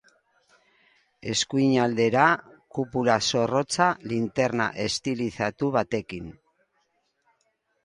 Eskuinaldera, kupula zorrotza, linterna estilizatu batekin.